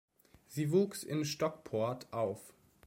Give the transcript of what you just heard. Sie wuchs in Stockport auf.